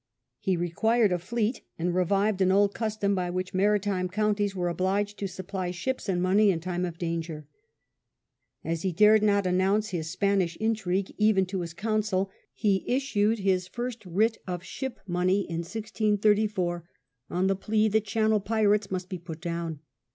He required a fleet, and revived an old custom by which maritime counties were obliged to supply ships and money in time of danger. As he dared not announce his Spanish intrigue, even to his council, he issued his first writ of Ship money in 1634 on the plea that channel pirates must be put down.